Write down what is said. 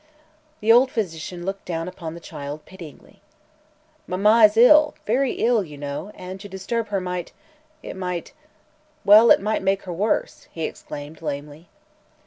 The old physician looked down upon the child pityingly. "Mamma is ill very ill, you know and to disturb her might it might well, it might make her worse," he explained lamely.